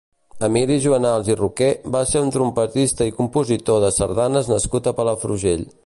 Emili Juanals i Roqué va ser un trompetista i compositor de sardanes nascut a Palafrugell.